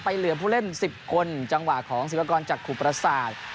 เหลือผู้เล่น๑๐คนจังหวะของศิวากรจากขุประสาท